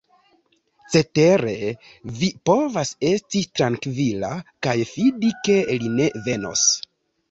Cetere vi povas esti trankvila, kaj fidi ke li ne venos.